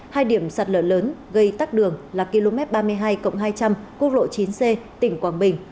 hai điểm sạt lở lớn gây tắc đường là km ba mươi hai hai trăm linh quốc lộ chín c tỉnh quảng bình